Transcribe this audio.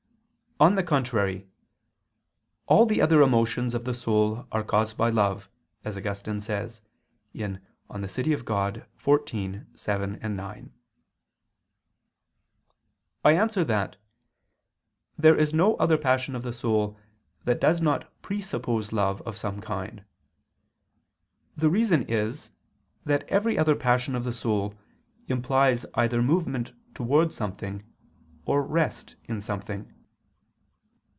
On the contrary, All the other emotions of the soul are caused by love, as Augustine says (De Civ. Dei xiv, 7, 9). I answer that, There is no other passion of the soul that does not presuppose love of some kind. The reason is that every other passion of the soul implies either movement towards something, or rest in something.